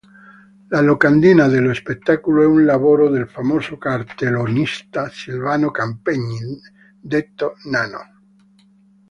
La locandina dello spettacolo è un lavoro del famoso cartellonista Silvano Campeggi, detto "Nano".